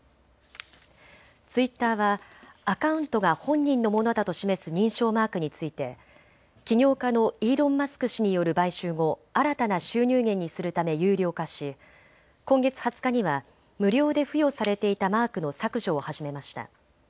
ツイッターはアカウントが本人のものだと示す認証マークについて起業家のイーロン・マスク氏による買収後、新たな収入源にするため有料化し今月２０日には無料で付与されていたマークの削除を始めました。